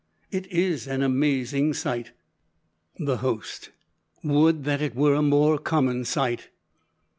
"It is an amazing sight." (Host.) "Would that it were a more common sight!"